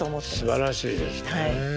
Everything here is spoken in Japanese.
すばらしいですねえ。